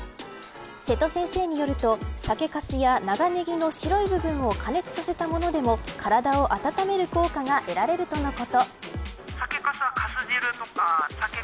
瀬戸先生によると、酒粕や長ネギの白い部分を過熱させたものでも体を温める効果が得られるとのこと。